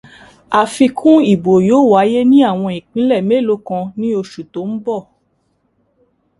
Àfikún ìdìbò yóò wáyé ní àwọn ìpínlẹ̀ mélòó kan ní oṣù tó ń bọ̀.